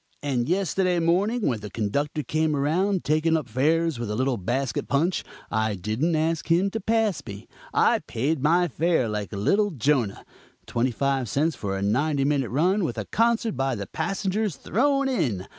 And yesterday morning, when the conductor came around taking up fares with a little basket punch, I didn't ask him to pass me; I paid my fare like a little Jonah twenty five cents for a ninety minute run, with a concert by the passengers thrown in.